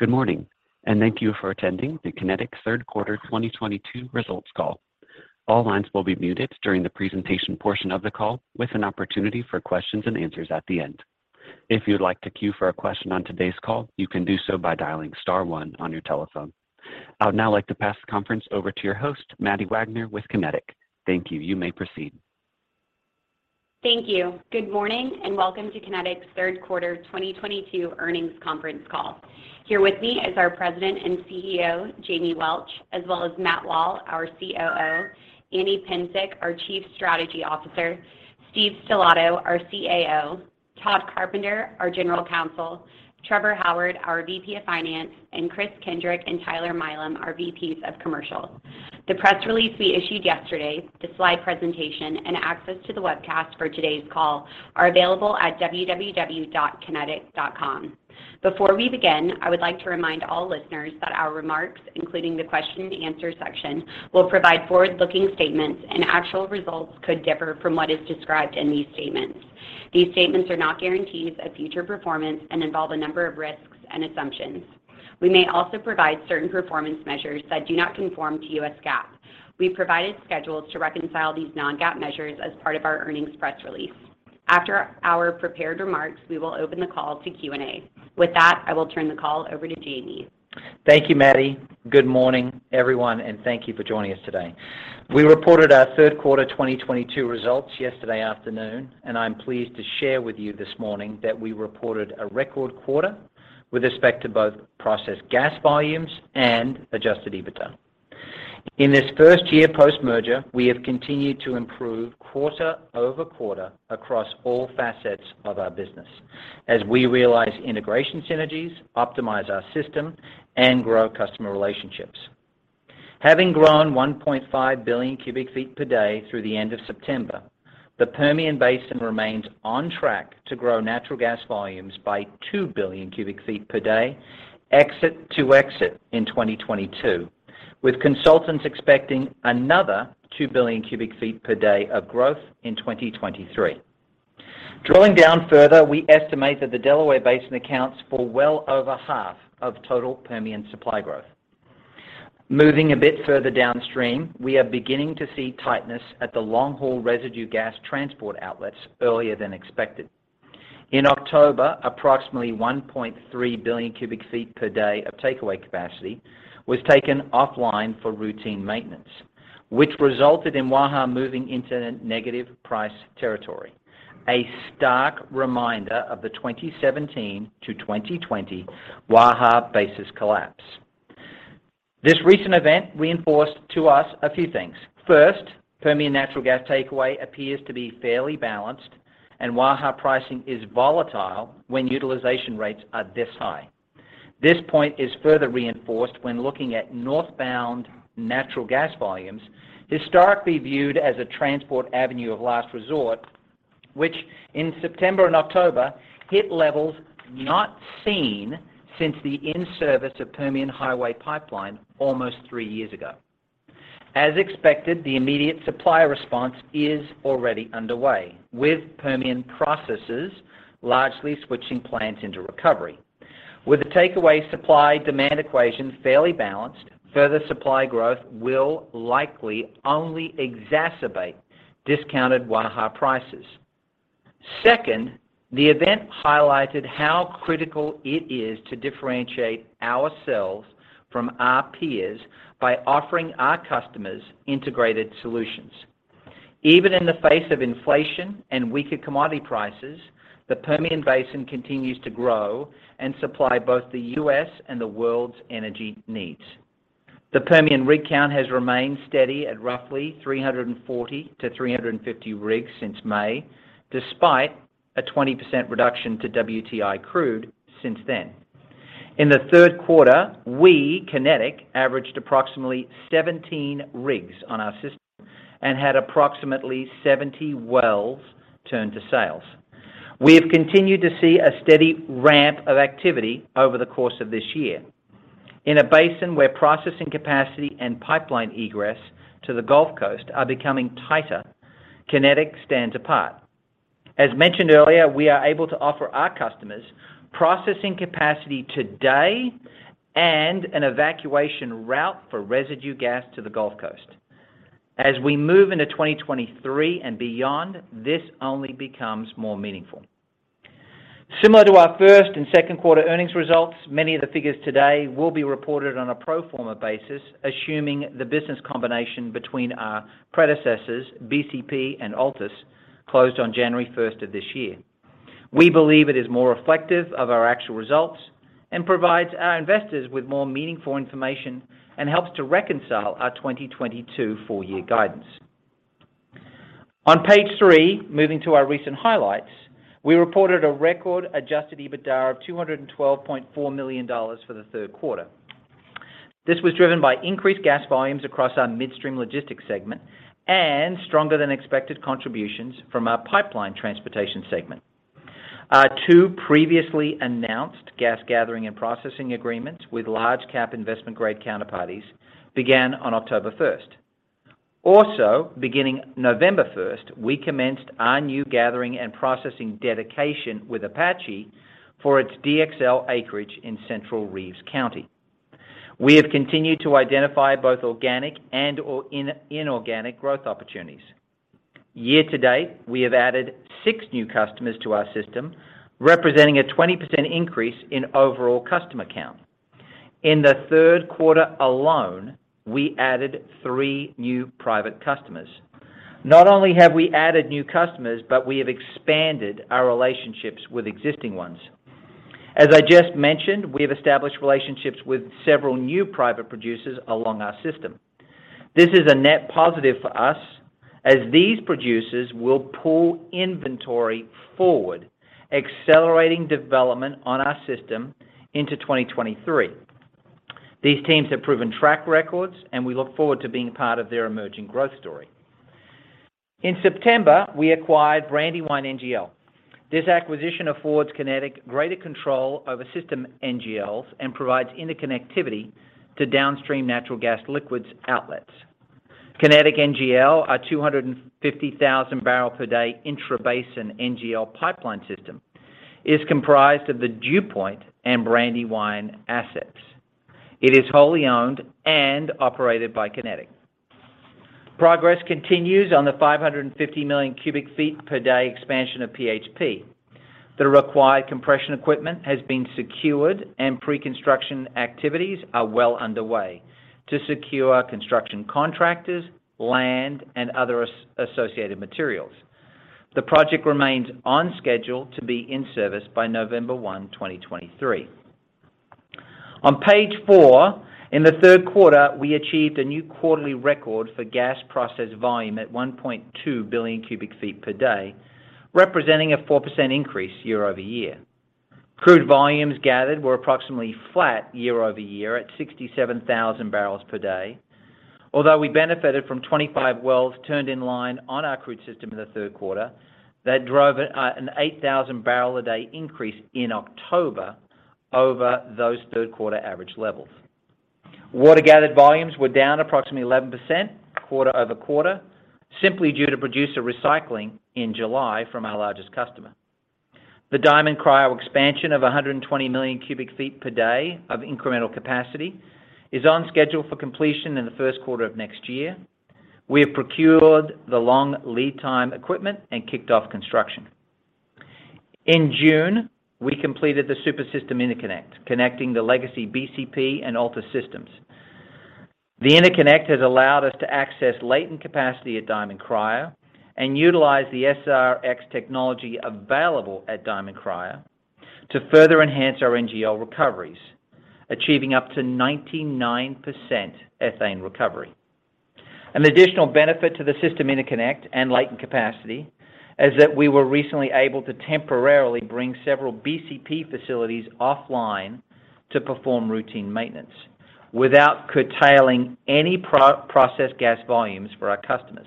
Good morning, and thank you for attending the Kinetik third quarter 2022 results call. All lines will be muted during the presentation portion of the call with an opportunity for questions and answers at the end. If you would like to queue for a question on today's call, you can do so by dialing star one on your telephone. I would now like to pass the conference over to your host, Maddie Wagner with Kinetik. Thank you. You may proceed. Thank you. Good morning, and welcome to Kinetik's third quarter 2022 earnings conferencecall. Here with me is our president and CEO, Jamie Welch, as well as Matt Wall, our COO, Anne Psencik, our Chief Strategy Officer, Steve Stellato, our CAO, Todd Carpenter, our General Counsel, Trevor Howardson, our VP of Finance, and Kris Kindrick and Tyler Milam, our VPs of Commercial. The press release we issued yesterday, the slide presentation, and access to the webcast for today's call are available at www.kinetik.com. Before we begin, I would like to remind all listeners that our remarks, including the question and answer section, will provide forward-looking statements and actual results could differ from what is described in these statements. These statements are not guarantees of future performance and involve a number of risks and assumptions. We may also provide certain performance measures that do not conform to US GAAP. We provided schedules to reconcile these non-GAAP measures as part of our earnings press release. After our prepared remarks, we will open the call to Q&A. With that, I will turn the call over to Jamie. Thank you, Maddie. Good morning, everyone, and thank you for joining us today. We reported our third quarter 2022 results yesterday afternoon, and I'm pleased to share with you this morning that we reported a record quarter with respect to both processed gas volumes and Adjusted EBITDA. In this first year post-merger, we have continued to improve quarter-over-quarter across all facets of our business as we realize integration synergies, optimize our system, and grow customer relationships. Having grown 1.5 billion cubic feet per day through the end of September, the Permian Basin remains on track to grow natural gas volumes by 2 billion cubic feet per day exit-to-exit in 2022, with consultants expecting another 2 billion cubic feet per day of growth in 2023. Drilling down further, we estimate that the Delaware Basin accounts for well over half of total Permian supply growth. Moving a bit further downstream, we are beginning to see tightness at the long-haul residue gas transport outlets earlier than expected. In October, approximately 1.3 billion cubic feet per day of takeaway capacity was taken offline for routine maintenance, which resulted in Waha moving into negative price territory, a stark reminder of the 2017 to 2020 Waha basis collapse. This recent event reinforced to us a few things. First, Permian natural gas takeaway appears to be fairly balanced and Waha pricing is volatile when utilization rates are this high. This point is further reinforced when looking at northbound natural gas volumes historically viewed as a transport avenue of last resort, which in September and October hit levels not seen since the in-service of Permian Highway Pipeline almost three years ago. As expected, the immediate supply response is already underway, with Permian processors largely switching plants into recovery. With the takeaway supply-demand equation fairly balanced, further supply growth will likely only exacerbate discounted Waha prices. Second, the event highlighted how critical it is to differentiate ourselves from our peers by offering our customers integrated solutions. Even in the face of inflation and weaker commodity prices, the Permian Basin continues to grow and supply both the U.S. and the world's energy needs. The Permian rig count has remained steady at roughly 340-350 rigs since May, despite a 20% reduction to WTI crude since then. In the third quarter, we, Kinetik, averaged approximately 17 rigs on our system and had approximately 70 wells turned to sales. We have continued to see a steady ramp of activity over the course of this year. In a basin where processing capacity and pipeline egress to the Gulf Coast are becoming tighter, Kinetik stands apart. As mentioned earlier, we are able to offer our customers processing capacity today and an evacuation route for residue gas to the Gulf Coast. As we move into 2023 and beyond, this only becomes more meaningful. Similar to our first and second quarter earnings results, many of the figures today will be reported on a pro forma basis, assuming the business combination between our predecessors, BCP and Altus, closed on January first of this year. We believe it is more reflective of our actual results and provides our investors with more meaningful information and helps to reconcile our 2022 full-year guidance. On page three, moving to our recent highlights, we reported a record Adjusted EBITDA of $212.4 million for the third quarter. This was driven by increased gas volumes across our Midstream Logistics segment and stronger than expected contributions from our Pipeline Transportation segment. Our two previously announced gas gathering and processing agreements with large cap investment grade counterparties began on October first. Beginning November first, we commenced our new gathering and processing dedication with Apache for its DXL acreage in central Reeves County. We have continued to identify both organic and inorganic growth opportunities. Year to date, we have added six new customers to our system, representing a 20% increase in overall customer count. In the third quarter alone, we added three new private customers. Not only have we added new customers, but we have expanded our relationships with existing ones. As I just mentioned, we have established relationships with several new private producers along our system. This is a net positive for us as these producers will pull inventory forward, accelerating development on our system into 2023. These teams have proven track records, and we look forward to being part of their emerging growth story. In September, we acquired Brandywine NGL. This acquisition affords Kinetik greater control over system NGLs and provides interconnectivity to downstream natural gas liquids outlets. Kinetik NGL are 250,000 barrel per day intrabasin NGL pipeline system is comprised of the Dew Point and Brandywine assets. It is wholly owned and operated by Kinetik. Progress continues on the 550 million cubic feet per day expansion of PHP. The required compression equipment has been secured and pre-construction activities are well underway to secure construction contractors, land, and other associated materials. The project remains on schedule to be in service by November 1, 2023. On page four, in the third quarter, we achieved a new quarterly record for gas processed volume at 1.2 billion cubic feet per day, representing a 4% increase year-over-year. Crude volumes gathered were approximately flat year-over-year at 67,000 barrels per day. Although we benefited from 25 wells turned in line on our crude system in the third quarter, that drove an 8,000-barrel-a-day increase in October over those third quarter average levels. Water gathered volumes were down approximately 11% quarter-over-quarter, simply due to producer recycling in July from our largest customer. The Diamond Cryo expansion of 120 million cubic feet per day of incremental capacity is on schedule for completion in the first quarter of next year. We have procured the long lead time equipment and kicked off construction. In June, we completed the Super-system interconnect, connecting the legacy BCP and Altus systems. The interconnect has allowed us to access latent capacity at Diamond Cryo and utilize the SRX technology available at Diamond Cryo to further enhance our NGL recoveries, achieving up to 99% ethane recovery. An additional benefit to the system interconnect and latent capacity is that we were recently able to temporarily bring several BCP facilities offline to perform routine maintenance without curtailing any producer-processed gas volumes for our customers.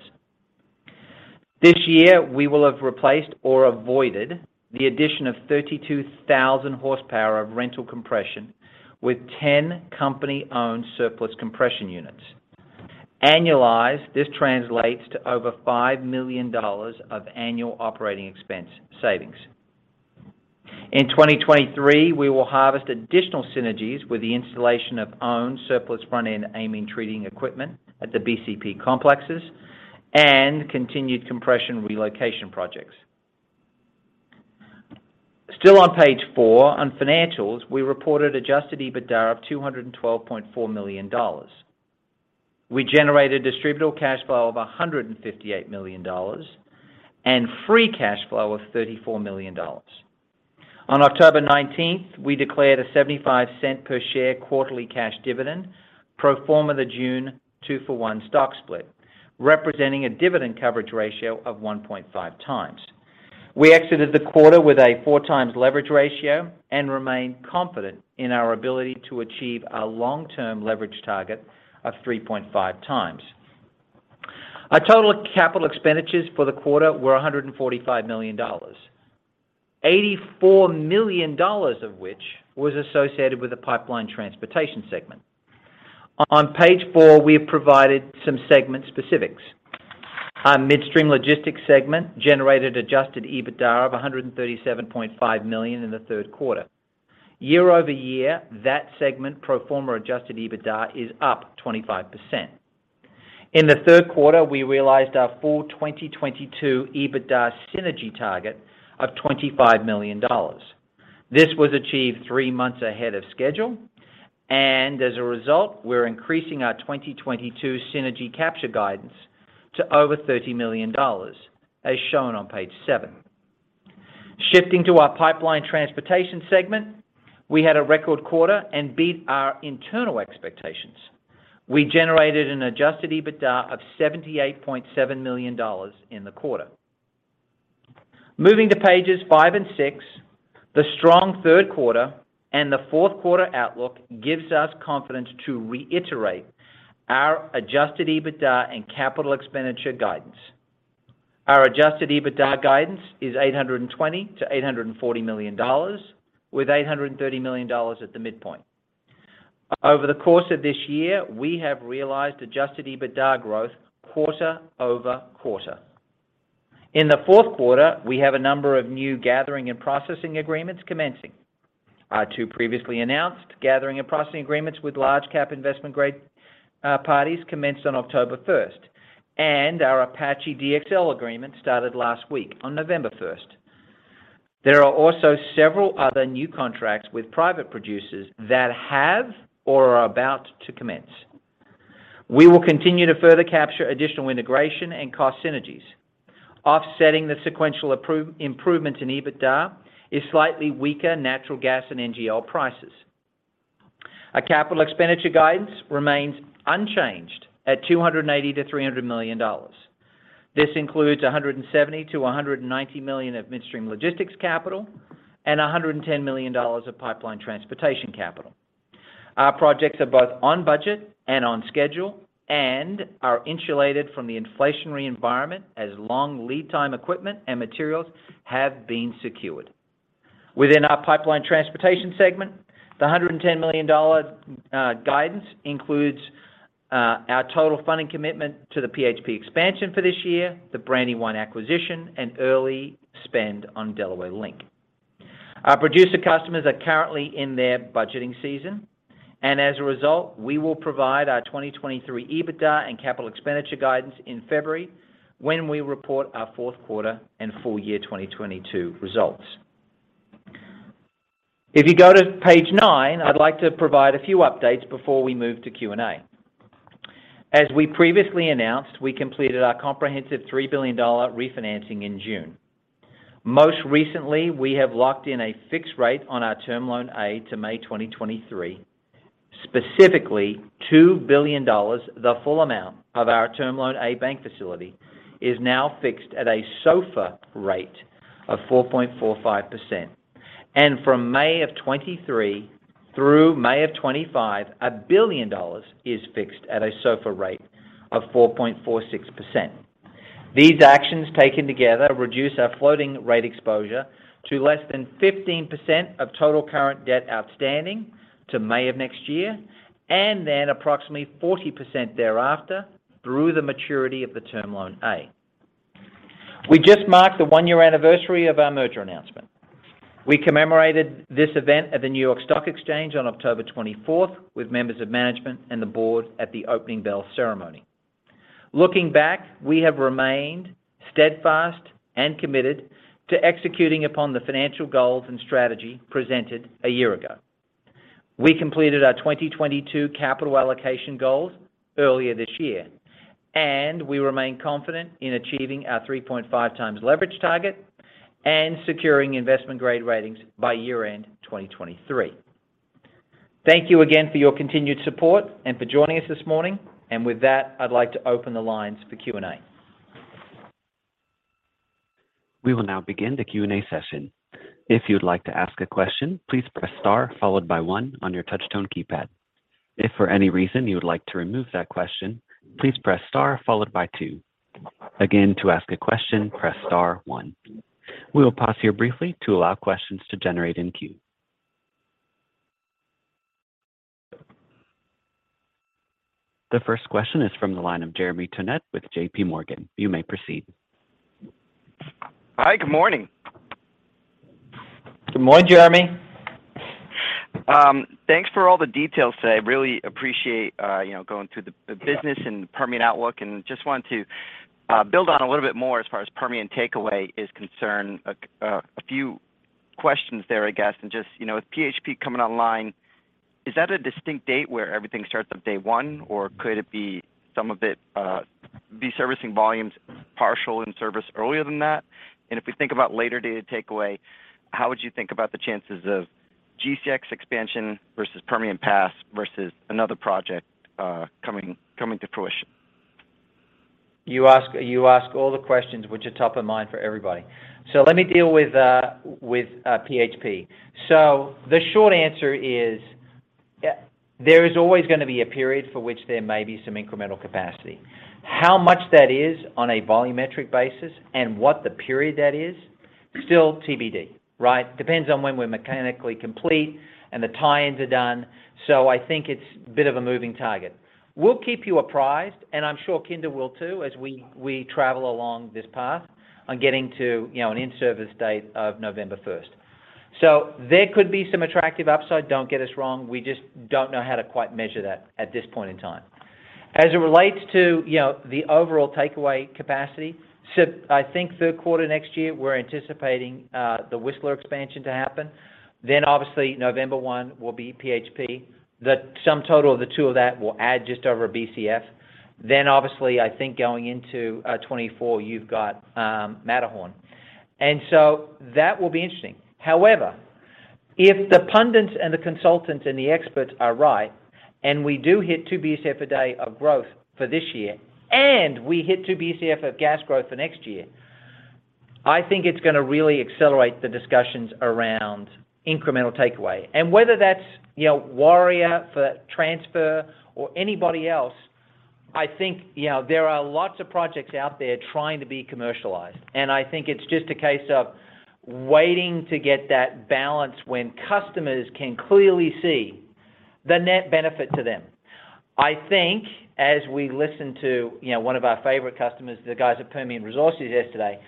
This year, we will have replaced or avoided the addition of 32,000 horsepower of rental compression with 10 company-owned surplus compression units. Annualized, this translates to over $5 million of annual operating expense savings. In 2023, we will harvest additional synergies with the installation of owned surplus front-end amine treating equipment at the BCP complexes and continued compression relocation projects. Still on page four, on financials, we reported Adjusted EBITDA of $212.4 million. We generated Distributable Cash Flow of $158 million and Free Cash Flow of $34 million. On October 19, we declared a $0.75 per share quarterly cash dividend, pro forma the June 2-for-1 stock split, representing a dividend coverage ratio of 1.5x. We exited the quarter with a 4x leverage ratio and remain confident in our ability to achieve our long-term leverage target of 3.5x. Our total capital expenditures for the quarter were $145 million. $84 million of which was associated with the Pipeline Transportation segment. On page four, we have provided some segment specifics. Our Midstream Logistics segment generated Adjusted EBITDA of $137.5 million in the third quarter. Year-over-year, that segment pro forma Adjusted EBITDA is up 25%. In the third quarter, we realized our full 2022 EBITDA synergy target of $25 million. This was achieved three months ahead of schedule, and as a result, we're increasing our 2022 synergy capture guidance to over $30 million, as shown on page seven. Shifting to our Pipeline Transportation segment, we had a record quarter and beat our internal expectations. We generated an Adjusted EBITDA of $78.7 million in the quarter. Moving to pages five and six, the strong third quarter and the fourth quarter outlook gives us confidence to reiterate our Adjusted EBITDA and capital expenditure guidance. Our Adjusted EBITDA guidance is $820 million-$840 million with $830 million at the midpoint. Over the course of this year, we have realized Adjusted EBITDA growth quarter over quarter. In the fourth quarter, we have a number of new gathering and processing agreements commencing. Our two previously announced gathering and processing agreements with large cap investment grade parties commenced on October first, and our Apache DXL agreement started last week on November first. There are also several other new contracts with private producers that have or are about to commence. We will continue to further capture additional integration and cost synergies. Offsetting the sequential improvement in EBITDA is slightly weaker natural gas and NGL prices. Our capital expenditure guidance remains unchanged at $280 million-$300 million. This includes $170 million-$190 million of midstream logistics capital and $110 million of pipeline transportation capital. Our projects are both on budget and on schedule and are insulated from the inflationary environment as long lead time equipment and materials have been secured. Within our Pipeline Transportation segment, the $110 million guidance includes our total funding commitment to the PHP expansion for this year, the Brandywine acquisition, and early spend on Delaware Link. Our producer customers are currently in their budgeting season, and as a result, we will provide our 2023 EBITDA and capital expenditure guidance in February when we report our fourth quarter and full year 2022 results. If you go to page nine, I'd like to provide a few updates before we move to Q&A. As we previously announced, we completed our comprehensive $3 billion refinancing in June. Most recently, we have locked in a fixed rate on our Term Loan A to May 2023. Specifically, $2 billion, the full amount of our Term Loan A bank facility, is now fixed at a SOFR rate of 4.45%. From May 2023 through May 2025, $1 billion is fixed at a SOFR rate of 4.46%. These actions taken together reduce our floating rate exposure to less than 15% of total current debt outstanding to May of next year, and then approximately 40% thereafter through the maturity of the Term Loan A. We just marked the one year anniversary of our merger announcement. We commemorated this event at the New York Stock Exchange on October 24 with members of management and the board at the opening bell ceremony. Looking back, we have remained steadfast and committed to executing upon the financial goals and strategy presented a year ago. We completed our 2022 capital allocation goals earlier this year, and we remain confident in achieving our 3.5x leverage target and securing investment-grade ratings by year-end 2023. Thank you again for your continued support and for joining us this morning. With that, I'd like to open the lines for Q&A. We will now begin the Q&A session. If you would like to ask a question, please press star followed by one on your touch tone keypad. If for any reason you would like to remove that question, please press star followed by two. Again, to ask a question, press star one. We will pause here briefly to allow questions to generate in queue. The first question is from the line of Jeremy Tonet with JPMorgan. You may proceed. Hi, good morning. Good morning, Jeremy. Thanks for all the details today. Really appreciate, you know, going through the business and Permian outlook, and just wanted to build on a little bit more as far as Permian takeaway is concerned. A few questions there, I guess. Just, you know, with PHP coming online, is that a distinct date where everything starts up day one? Or could it be some of it be servicing volumes partially in service earlier than that? If we think about latter-day takeaway, how would you think about the chances of GCX expansion versus Permian Pass versus another project coming to fruition? You ask all the questions which are top of mind for everybody. Let me deal with PHP. The short answer is, yeah, there is always gonna be a period for which there may be some incremental capacity. How much that is on a volumetric basis and what the period that is, still TBD, right? Depends on when we're mechanically complete and the tie-ins are done. I think it's a bit of a moving target. We'll keep you apprised, and I'm sure Kinder will too, as we travel along this path on getting to, you know, an in-service date of November first. There could be some attractive upside, don't get us wrong. We just don't know how to quite measure that at this point in time. As it relates to, you know, the overall takeaway capacity, I think third quarter next year, we're anticipating the Whistler expansion to happen. November 1 will be PHP. The sum total of the two of that will add just over BCF. I think going into 2024, you've got Matterhorn. That will be interesting. However, if the pundits and the consultants and the experts are right, and we do hit two BCF a day of growth for this year, and we hit two BCF of gas growth for next year, I think it's gonna really accelerate the discussions around incremental takeaway. Whether that's, you know, Warrior for transfer or anybody else, I think, you know, there are lots of projects out there trying to be commercialized. I think it's just a case of waiting to get that balance when customers can clearly see the net benefit to them. I think as we listen to, you know, one of our favorite customers, the guys at Permian Resources yesterday,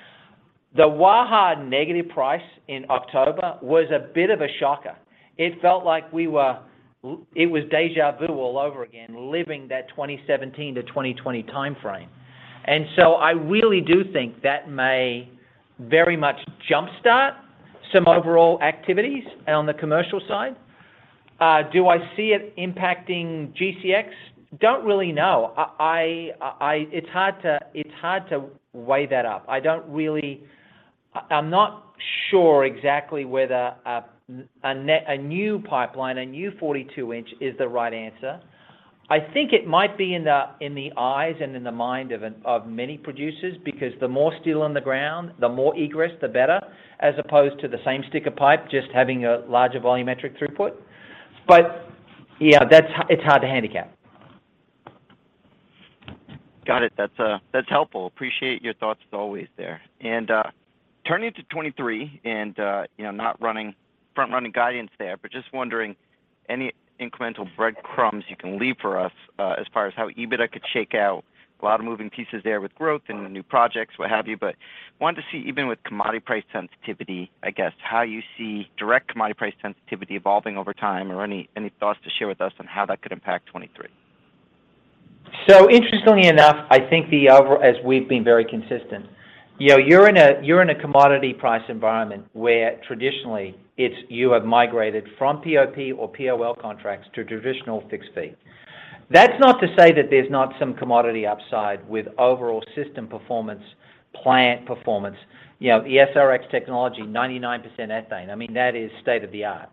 the Waha negative price in October was a bit of a shocker. It felt like it was déjà vu all over again, living that 2017 to 2020 timeframe. I really do think that may very much jumpstart some overall activities on the commercial side. Do I see it impacting GCX? Don't really know. I think it's hard to weigh that up. I don't really. I'm not sure exactly whether a new pipeline, a new 42-inch is the right answer. I think it might be in the eyes and in the mind of many producers, because the more steel on the ground, the more egress, the better, as opposed to the same stick of pipe just having a larger volumetric throughput. Yeah, that's. It's hard to handicap. Got it. That's helpful. Appreciate your thoughts as always there. Turning to 2023, you know, not front-running guidance there, but just wondering any incremental breadcrumbs you can leave for us, as far as how EBITDA could shake out. A lot of moving pieces there with growth and the new projects, what have you. Wanted to see even with commodity price sensitivity, I guess, how you see direct commodity price sensitivity evolving over time or any thoughts to share with us on how that could impact 2023. Interestingly enough, I think as we've been very consistent, you know, you're in a commodity price environment where traditionally it's you have migrated from POP or POL contracts to traditional fixed fee. That's not to say that there's not some commodity upside with overall system performance, plant performance. You know, the SRX technology, 99% ethane. I mean, that is state-of-the-art.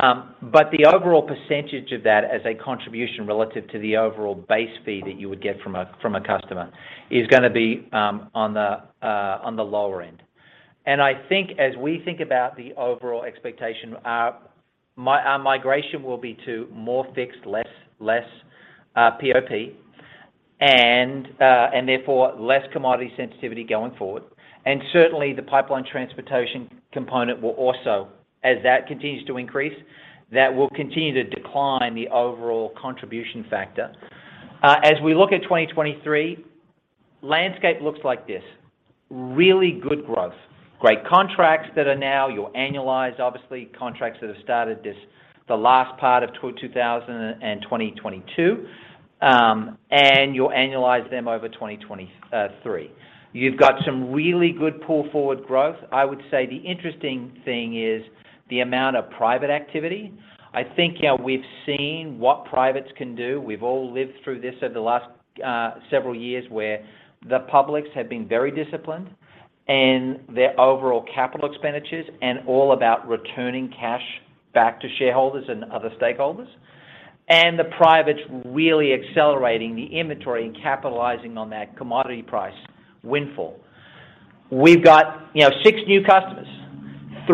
But the overall percentage of that as a contribution relative to the overall base fee that you would get from a customer is gonna be on the lower end. I think as we think about the overall expectation, our migration will be to more fixed, less POP and therefore less commodity sensitivity going forward. Certainly the pipeline transportation component will also, as that continues to increase, that will continue to decline the overall contribution factor. As we look at 2023, landscape looks like this: really good growth, great contracts that are now, you'll annualize obviously contracts that have started this, the last part of 2022, and you'll annualize them over 2023. You've got some really good pull forward growth. I would say the interesting thing is the amount of private activity. I think, you know, we've seen what privates can do. We've all lived through this over the last several years where the publics have been very disciplined in their overall capital expenditures and all about returning cash back to shareholders and other stakeholders. The privates really accelerating the inventory and capitalizing on that commodity price windfall. We've got, you know, six new customers.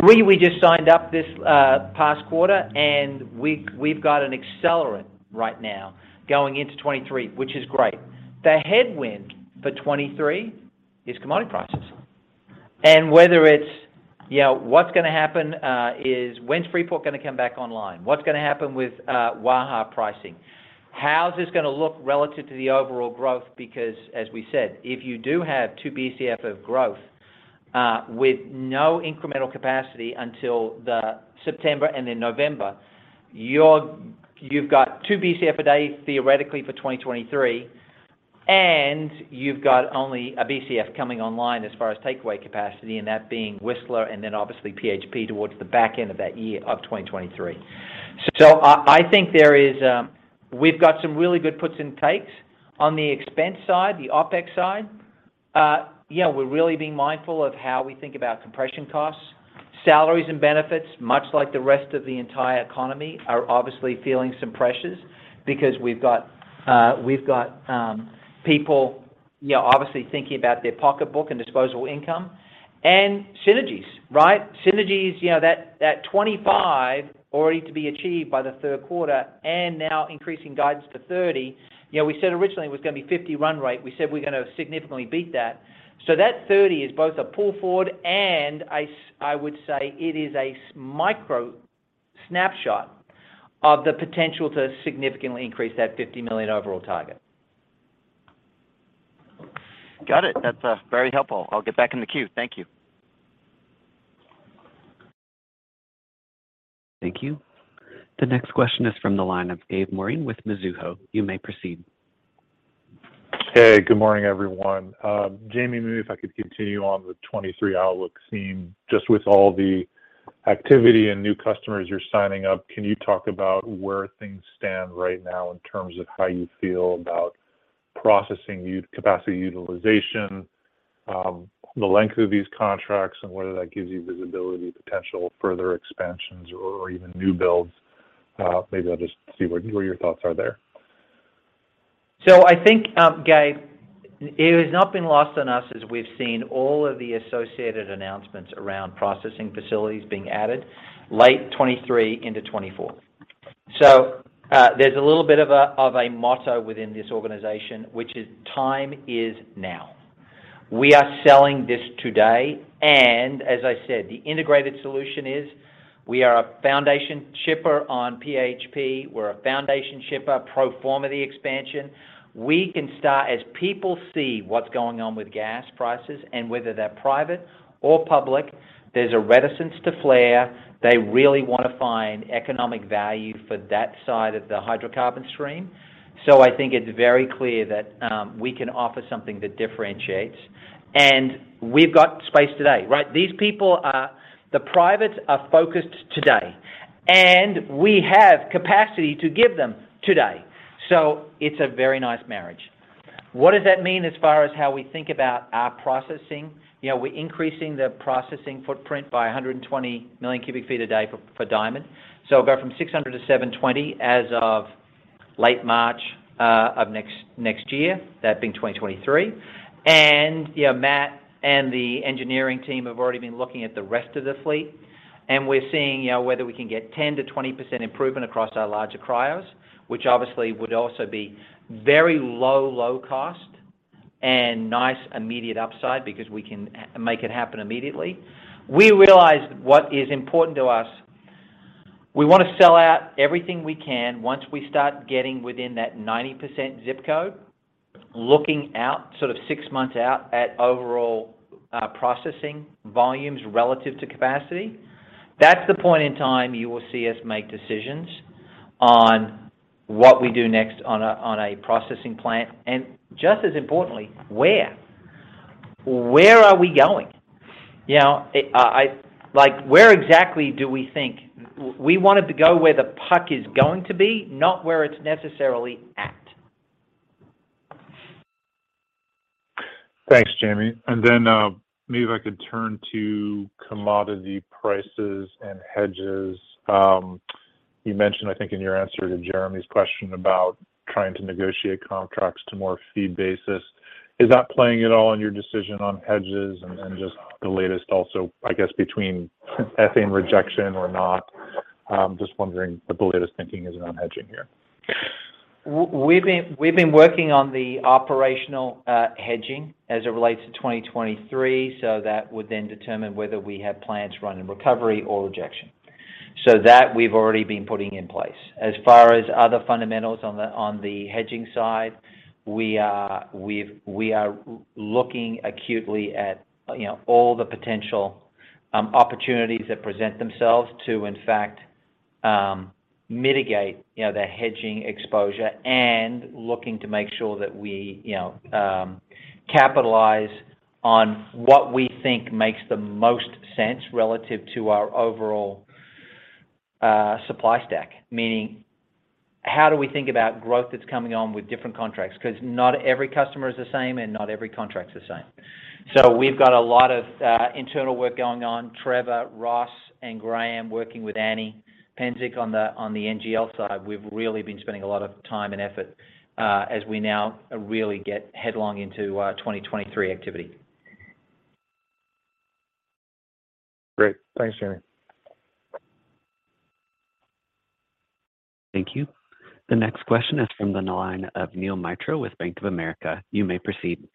Three we just signed up this past quarter, and we've got an accelerant right now going into 2023, which is great. The headwind for 2023 is commodity prices. Whether it's, you know, what's gonna happen, is when's Freeport gonna come back online? What's gonna happen with Waha pricing? How is this gonna look relative to the overall growth? Because as we said, if you do have two BCF of growth, with no incremental capacity until the September and then November, you've got two BCF a day theoretically for 2023, and you've got only a BCF coming online as far as takeaway capacity and that being Whistler and then obviously PHP towards the back end of that year of 2023. I think there is, we've got some really good puts and takes. On the expense side, the OpEx side, we're really being mindful of how we think about compression costs. Salaries and benefits, much like the rest of the entire economy, are obviously feeling some pressures because we've got people obviously thinking about their pocketbook and disposable income. Synergies, right? Synergies, $25 already to be achieved by the third quarter and now increasing guidance to $30. We said originally it was gonna be $50 run rate. We said we're gonna significantly beat that. That $30 is both a pull forward and I would say it is a micro snapshot of the potential to significantly increase that $50 million overall target. Got it. That's very helpful. I'll get back in the queue. Thank you. Thank you. The next question is from the line of Gabe Moreen with Mizuho. You may proceed. Hey, good morning, everyone. Jamie, maybe if I could continue on the 2023 outlook theme. Just with all the activity and new customers you're signing up, can you talk about where things stand right now in terms of how you feel about processing capacity utilization, the length of these contracts, and whether that gives you visibility, potential further expansions or even new builds? Maybe I'll just see what your thoughts are there. I think, Gabe, it has not been lost on us as we've seen all of the associated announcements around processing facilities being added late 2023 into 2024. There's a little bit of a motto within this organization, which is time is now. We are selling this today, and as I said, the integrated solution is we are a foundation shipper on PHP. We're a foundation shipper, pro forma the expansion. As people see what's going on with gas prices and whether they're private or public, there's a reticence to flare. They really want to find economic value for that side of the hydrocarbon stream. I think it's very clear that we can offer something that differentiates. We've got space today, right? These people, the privates, are focused today, and we have capacity to give them today. It's a very nice marriage. What does that mean as far as how we think about our processing? You know, we're increasing the processing footprint by 120 million cubic feet a day for Diamond. It'll go from 600 to 720 as of late March of next year, that being 2023. You know, Matt and the engineering team have already been looking at the rest of the fleet, and we're seeing, you know, whether we can get 10%-20% improvement across our larger cryos, which obviously would also be very low cost and nice immediate upside because we can make it happen immediately. We realize what is important to us. We want to sell out everything we can once we start getting within that 90% zip code, looking out, sort of six months out at overall, processing volumes relative to capacity. That's the point in time you will see us make decisions on what we do next on a processing plant, and just as importantly, where. Where are we going? You know, we wanted to go where the puck is going to be, not where it's necessarily at. Thanks, Jamie. Maybe if I could turn to commodity prices and hedges. You mentioned, I think in your answer to Jeremy's question about trying to negotiate contracts to more fee basis. Is that playing at all in your decision on hedges and just the latest also, I guess, between ethane rejection or not? Just wondering what the latest thinking is around hedging here. We've been working on the operational hedging as it relates to 2023, so that would then determine whether we have plants run in recovery or rejection. That we've already been putting in place. As far as other fundamentals on the hedging side, we are looking acutely at, you know, all the potential opportunities that present themselves to, in fact, mitigate, you know, the hedging exposure and looking to make sure that we, you know, capitalize on what we think makes the most sense relative to our overall supply stack. Meaning, how do we think about growth that's coming on with different contracts? Because not every customer is the same and not every contract is the same. We've got a lot of internal work going on. Trevor, Ross, and Graham working with Anne Psencik on the NGL side. We've really been spending a lot of time and effort, as we now really get headlong into, 2023 activity. Great. Thanks, Jamie. Thank you. The next question is from the line of Neel Mitra with Bank of America. You may proceed.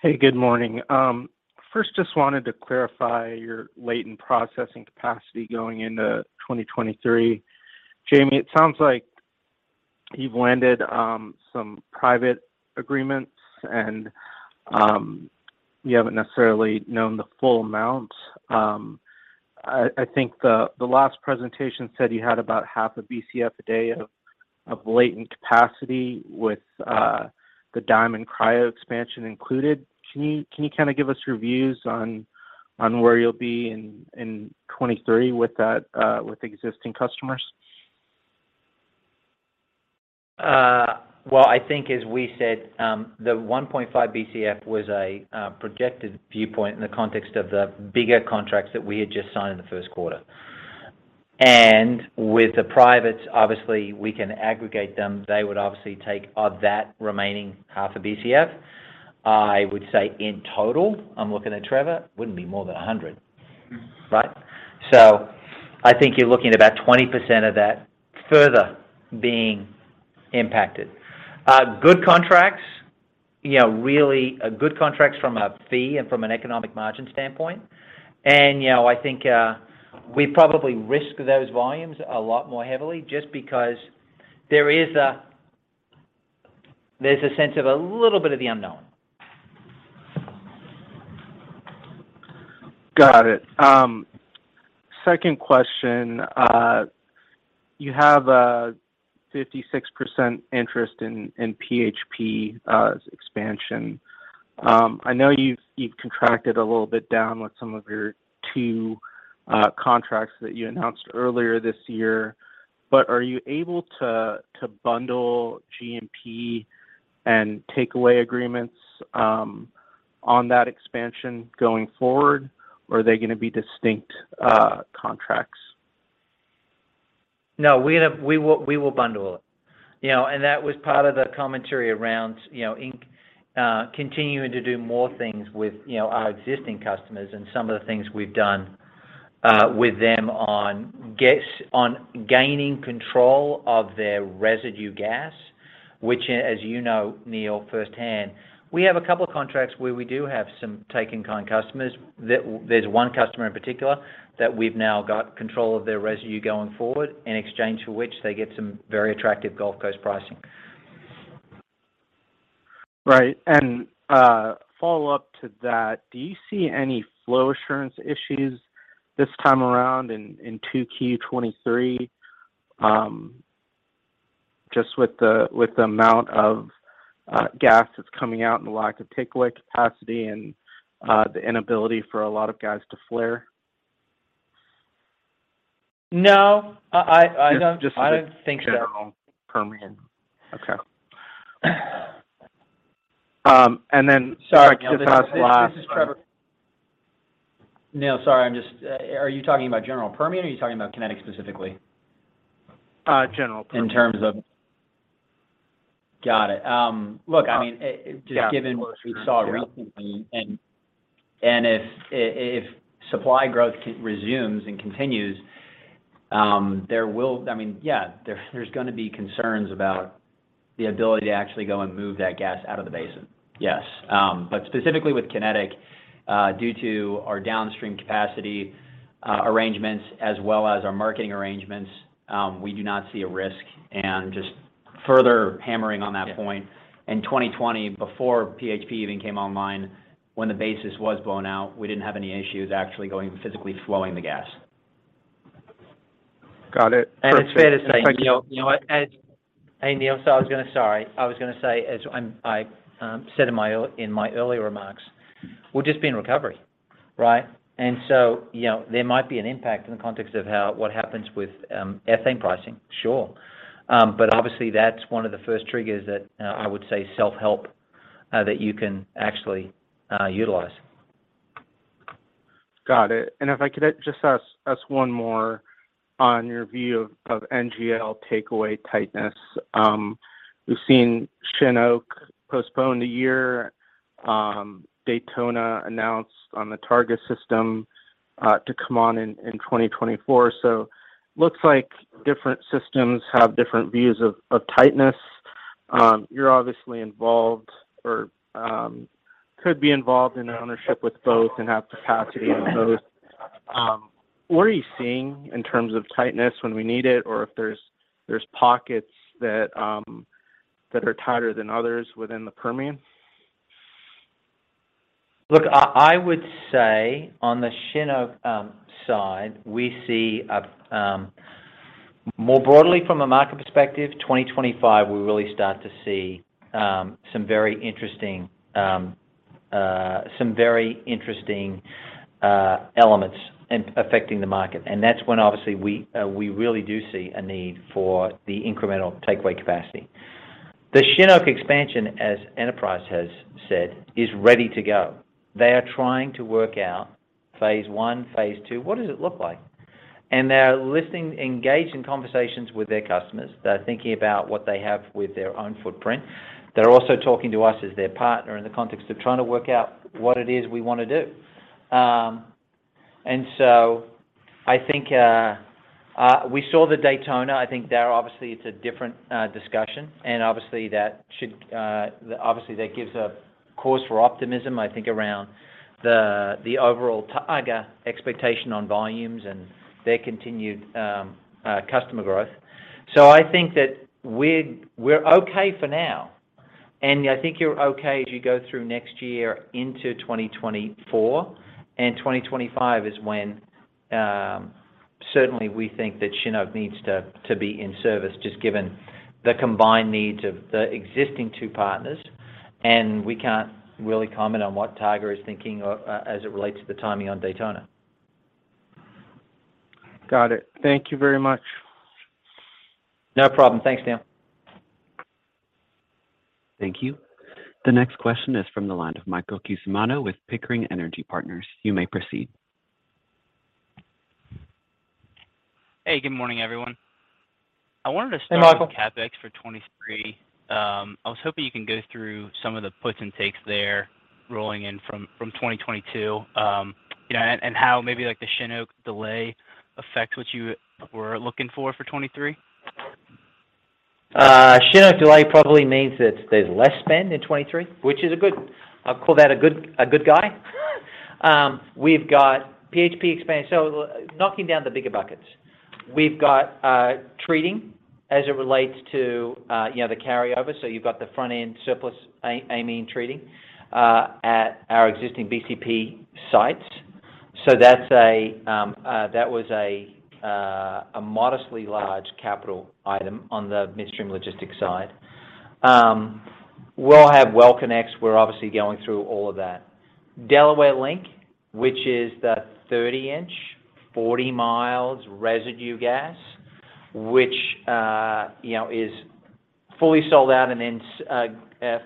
Hey, good morning. First, just wanted to clarify your latent processing capacity going into 2023. Jamie, it sounds like you've landed some private agreements and you haven't necessarily known the full amount. I think the last presentation said you had about half a BCF a day of latent capacity with the Diamond Cryo expansion included. Can you kind of give us your views on where you'll be in 2023 with that with existing customers? Well, I think as we said, the 1.5 BCF was a projected viewpoint in the context of the bigger contracts that we had just signed in the first quarter. With the privates, obviously, we can aggregate them. They would obviously take up that remaining half a BCF. I would say in total, I'm looking at Trevor, wouldn't be more than 100, right? I think you're looking at about 20% of that further being impacted. Good contracts, you know, really good contracts from a fee and from an economic margin standpoint. You know, I think we probably risk those volumes a lot more heavily just because there's a sense of a little bit of the unknown. Got it. Second question. You have a 56% interest in PHP expansion. I know you've contracted a little bit down with some of your two contracts that you announced earlier this year, but are you able to bundle G&P and takeaway agreements on that expansion going forward, or are they gonna be distinct contracts? No, we will bundle it. You know, that was part of the commentary around, you know, Inc. continuing to do more things with, you know, our existing customers and some of the things we've done with them on gaining control of their residue gas, which as you know, Neel, firsthand, we have a couple of contracts where we do have some take-in-kind customers. There's one customer in particular that we've now got control of their residue going forward, in exchange for which they get some very attractive Gulf Coast pricing. Right. Follow-up to that, do you see any flow assurance issues this time around in 2Q 2023, just with the amount of gas that's coming out and the lack of takeaway capacity and the inability for a lot of guys to flare? No, I don't. Just, just- I don't think so. general Permian. Okay. Sorry, this is Trevor. Neel, sorry. Are you talking about general Permian or are you talking about Kinetik specifically? General Permian. Got it. Look, I mean, just given what we saw recently, and if supply growth resumes and continues, there will be concerns about the ability to actually go and move that gas out of the basin. Yes. But specifically with Kinetik, due to our downstream capacity arrangements as well as our marketing arrangements, we do not see a risk. Just further hammering on that point, in 2020, before PHP even came online, when the basis was blown out, we didn't have any issues actually going, physically flowing the gas. Got it. Perfect. It's fair to say, Neel, you know what? Hey, Neel. Hey, Neel. I was gonna say, as I said in my earlier remarks, we'll just be in recovery, right? You know, there might be an impact in the context of how what happens with ethane pricing. Sure. Obviously, that's one of the first triggers that I would say self-help that you can actually utilize. Got it. If I could just ask one more on your view of NGL takeaway tightness. We've seen Shinoak postpone a year. Daytona announced on the Targa system to come on in 2024. Looks like different systems have different views of tightness. You're obviously involved or could be involved in an ownership with both and have capacity on both. What are you seeing in terms of tightness when we need it, or if there's pockets that are tighter than others within the Permian? Look, I would say on the ShinOak side, we see more broadly from a market perspective, 2025, we really start to see some very interesting elements in affecting the market. That's when obviously we really do see a need for the incremental takeaway capacity. The ShinOak expansion, as Enterprise has said, is ready to go. They are trying to work out phase one, phase two, what does it look like? They are listening, engaged in conversations with their customers. They're thinking about what they have with their own footprint. They're also talking to us as their partner in the context of trying to work out what it is we wanna do. I think we saw the Daytona. I think there obviously it's a different discussion. Obviously that gives a cause for optimism, I think, around the overall Targa expectation on volumes and their continued customer growth. So I think that we're okay for now. I think you're okay as you go through next year into 2024 and 2025 is when certainly we think that ShinOak needs to be in service just given the combined needs of the existing two partners. We can't really comment on what Targa is thinking as it relates to the timing on Daytona. Got it. Thank you very much. No problem. Thanks, Neel. Thank you. The next question is from the line of Michael Cusimano with Pickering Energy Partners. You may proceed. Hey, good morning, everyone. I wanted to start. Hey, Michael.... with CapEx for 2023. I was hoping you can go through some of the puts and takes there rolling in from 2022. How maybe like the ShinOak delay affects what you were looking for for 2023. ShinOak delay probably means that there's less spend in 2023, which is a good guy. We've got PHP expansion. Knocking down the bigger buckets. We've got treating as it relates to, you know, the carryover. You've got the front-end surplus amine treating at our existing BCP sites. That's a modestly large capital item on the midstream logistics side. We'll have well connects. We're obviously going through all of that. Delaware Link, which is the 30inch, 40miles residue gas, which, you know, is fully sold out and then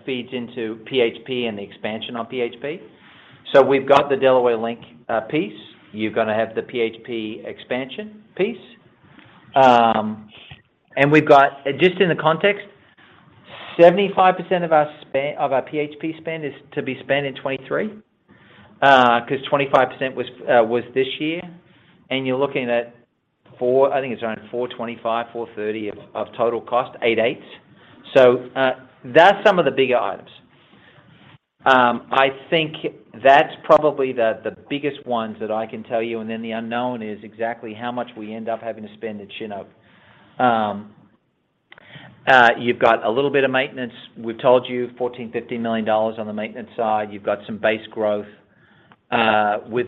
feeds into PHP and the expansion on PHP. We've got the Delaware Link piece. You're gonna have the PHP expansion piece. We've got, just in the context, 75% of our PHP spend is to be spent in 2023, 'cause 25% was this year. You're looking at four, I think it's around $425-$430 of total cost $88. That's some of the bigger items. I think that's probably the biggest ones that I can tell you, and then the unknown is exactly how much we end up having to spend at Chinook. You've got a little bit of maintenance. We've told you $14-$15 million on the maintenance side. You've got some base growth with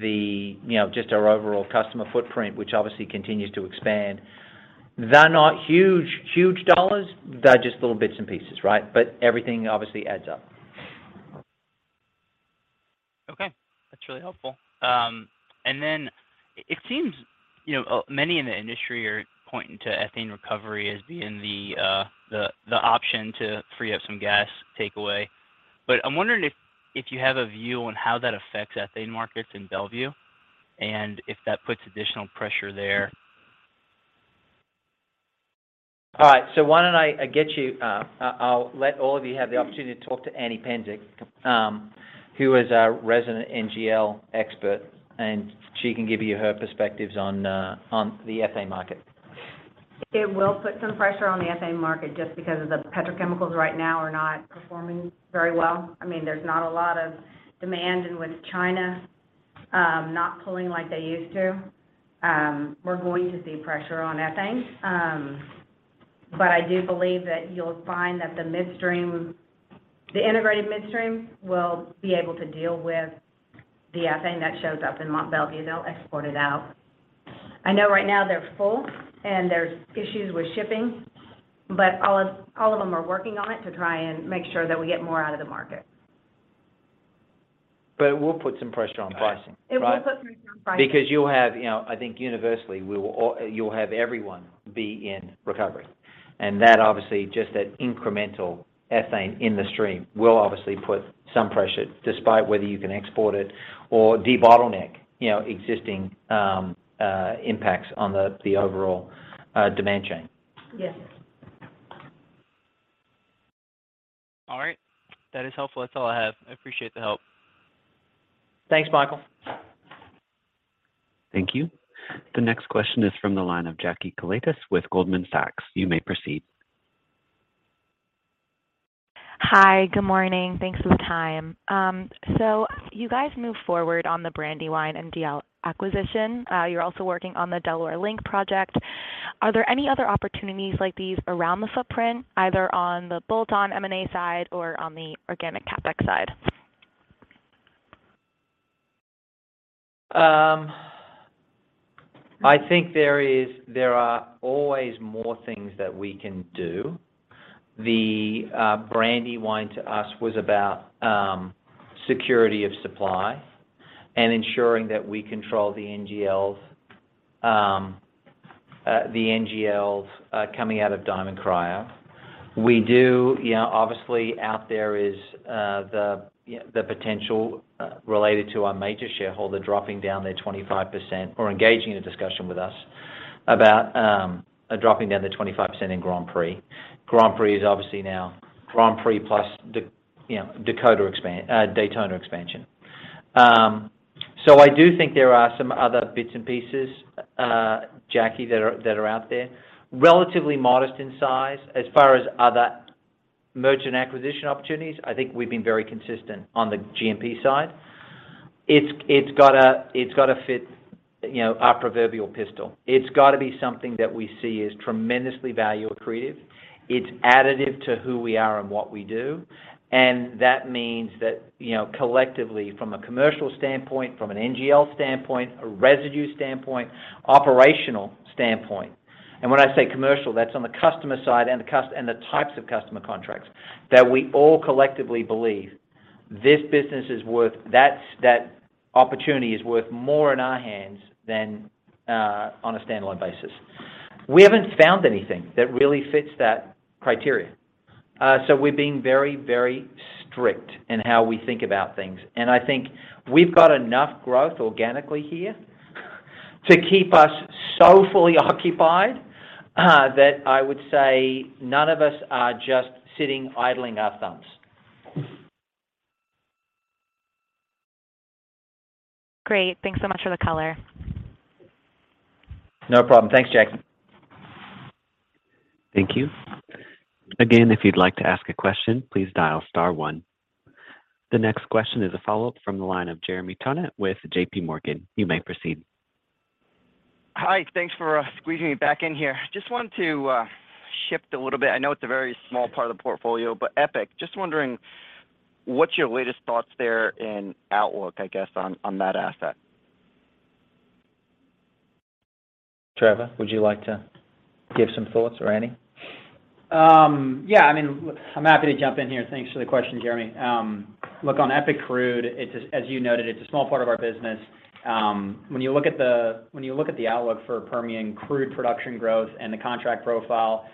the, you know, just our overall customer footprint, which obviously continues to expand. They're not huge dollars. They're just little bits and pieces, right? Everything obviously adds up. Okay, that's really helpful. It seems, you know, many in the industry are pointing to ethane recovery as being the option to free up some gas takeaway. I'm wondering if you have a view on how that affects ethane markets in Mont Belvieu, and if that puts additional pressure there. All right. I'll let all of you have the opportunity to talk to Anne Psencik, who is our resident NGL expert, and she can give you her perspectives on the ethane market. It will put some pressure on the ethane market just because of the petrochemicals right now are not performing very well. I mean, there's not a lot of demand, and with China not pulling like they used to, we're going to see pressure on ethane. I do believe that you'll find that the midstream, the integrated midstream will be able to deal with the ethane that shows up in Mont Belvieu. They'll export it out. I know right now they're full and there's issues with shipping, but all of them are working on it to try and make sure that we get more out of the market. It will put some pressure on pricing, right? It will put pressure on pricing. Because you'll have, you know, I think universally, you'll have everyone be in recovery. That obviously, just that incremental ethane in the stream will obviously put some pressure despite whether you can export it or debottleneck, you know, existing impacts on the overall demand chain. Yes. All right. That is helpful. That's all I have. I appreciate the help. Thanks, Michael. Thank you. The next question is from the line of Jackie Koletas with Goldman Sachs. You may proceed. Hi. Good morning. Thanks for the time. You guys moved forward on the Brandywine NGL acquisition. You're also working on the Delaware Link project. Are there any other opportunities like these around the footprint, either on the bolt-on M&A side or on the organic CapEx side? I think there are always more things that we can do. Brandywine to us was about security of supply and ensuring that we control the NGLs coming out of Diamond Cryo. We do, you know, obviously out there is the potential related to our major shareholder dropping down their 25% or engaging in a discussion with us about dropping down to 25% in Grand Prix. Grand Prix is obviously now Grand Prix plus, you know, Daytona expansion. I do think there are some other bits and pieces, Jackie, that are out there, relatively modest in size. As far as other merchant acquisition opportunities, I think we've been very consistent on the G&P side. It's gotta fit, you know, our proverbial pistol. It's gotta be something that we see as tremendously value accretive. It's additive to who we are and what we do. That means that, you know, collectively from a commercial standpoint, from an NGL standpoint, a residue standpoint, operational standpoint. When I say commercial, that's on the customer side and the types of customer contracts that we all collectively believe this business is worth, that opportunity is worth more in our hands than on a standalone basis. We haven't found anything that really fits that criteria. We're being very, very strict in how we think about things. I think we've got enough growth organically here to keep us so fully occupied that I would say none of us are just sitting idling our thumbs. Great. Thanks so much for the color. No problem. Thanks, Jackie. Thank you. Again, if you'd like to ask a question, please dial star one. The next question is a follow-up from the line of Jeremy Tonet with JP Morgan. You may proceed. Hi. Thanks for squeezing me back in here. Just wanted to shift a little bit. I know it's a very small part of the portfolio, but EPIC, just wondering what's your latest thoughts there in outlook, I guess, on that asset? Trevor, would you like to give some thoughts or Anne? Yeah, I mean, I'm happy to jump in here. Thanks for the question, Jeremy. Look, on EPIC Crude, it's just, as you noted, a small part of our business. When you look at the outlook for Permian crude production growth and the contract profile,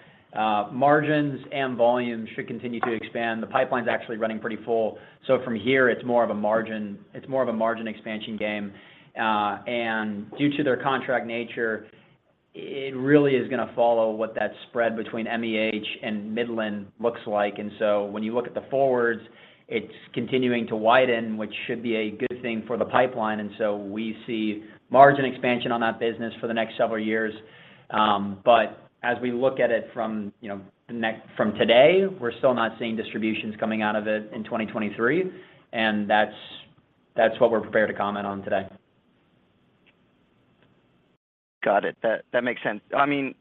margins and volumes should continue to expand. The pipeline's actually running pretty full. From here, it's more of a margin expansion game. Due to their contract nature, it really is gonna follow what that spread between MEH and Midland looks like. When you look at the forwards, it's continuing to widen, which should be a good thing for the pipeline. We see margin expansion on that business for the next several years. As we look at it from, you know, from today, we're still not seeing distributions coming out of it in 2023, and that's what we're prepared to comment on today. Got it. That makes sense. I mean,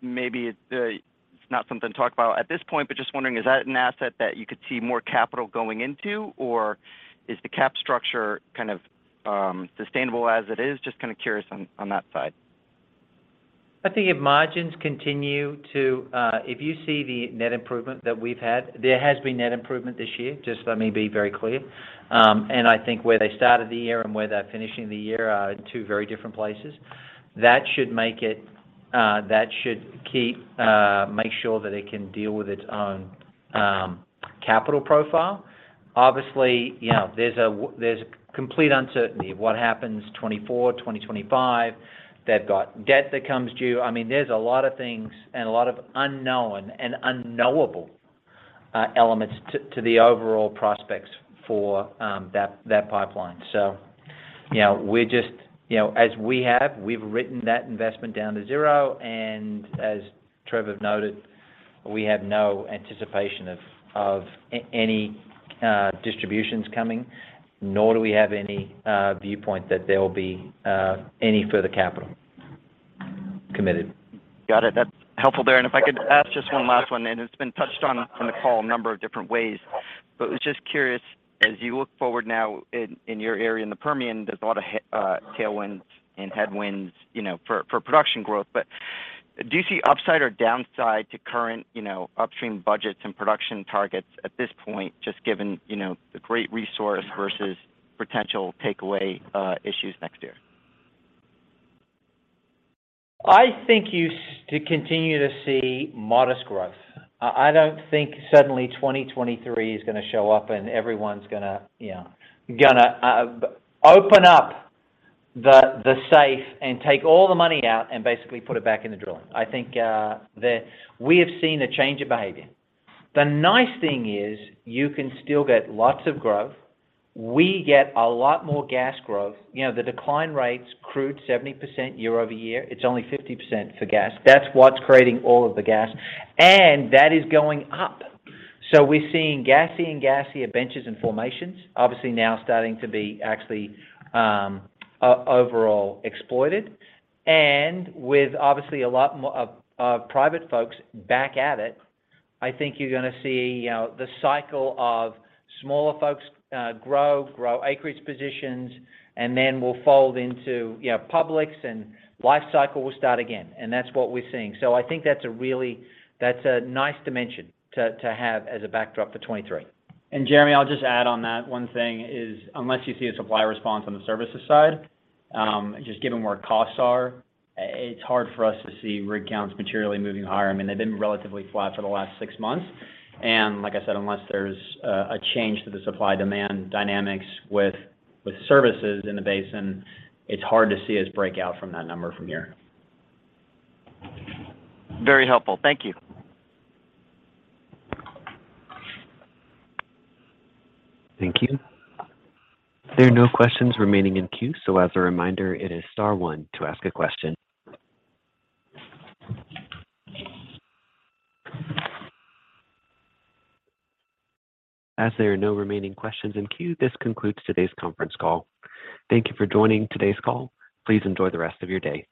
maybe it's not something to talk about at this point, but just wondering, is that an asset that you could see more capital going into? Or is the cap structure kind of sustainable as it is? Just kinda curious on that side. I think if margins continue, if you see the net improvement that we've had, there has been net improvement this year, just let me be very clear. I think where they started the year and where they're finishing the year are in two very different places. That should make it, that should keep, make sure that it can deal with its own capital profile. Obviously, you know, there's complete uncertainty of what happens 2024, 2025. They've got debt that comes due. I mean, there's a lot of things and a lot of unknown and unknowable elements to the overall prospects for that pipeline. You know, we're just, you know, as we have, we've written that investment down to zero. As Trevor noted, we have no anticipation of any distributions coming, nor do we have any viewpoint that there'll be any further capital committed. Got it. That's helpful there. If I could ask just one last one, and it's been touched on the call a number of different ways. Was just curious, as you look forward now in your area in the Permian, there's a lot of tailwinds and headwinds, you know, for production growth. Do you see upside or downside to current, you know, upstream budgets and production targets at this point, just given, you know, the great resource versus potential takeaway issues next year? I think you continue to see modest growth. I don't think suddenly 2023 is gonna show up and everyone's gonna, you know, open up the safe and take all the money out and basically put it back in the drilling. I think that we have seen a change of behavior. The nice thing is you can still get lots of growth. We get a lot more gas growth. You know, the decline rates crude 70% year-over-year. It's only 50% for gas. That's what's creating all of the gas, and that is going up. So we're seeing gassy and gassier benches and formations, obviously now starting to be actually overall exploited. With obviously a lot of private folks back at it, I think you're gonna see, you know, the cycle of smaller folks grow acreage positions, and then we'll fold into, you know, publics and life cycle will start again. That's what we're seeing. I think that's a really nice dimension to have as a backdrop for 2023. Jeremy, I'll just add on that one thing is, unless you see a supply response on the services side, just given where costs are, it's hard for us to see rig counts materially moving higher. I mean, they've been relatively flat for the last six months. Like I said, unless there's a change to the supply-demand dynamics with services in the basin, it's hard to see us break out from that number from here. Very helpful. Thank you. Thank you. There are no questions remaining in queue. As a reminder, it is star one to ask a question. As there are no remaining questions in queue, this concludes today's conference call. Thank you for joining today's call. Please enjoy the rest of your day.